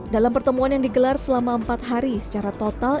dalam pertemuan yang digelar selama empat hari secara total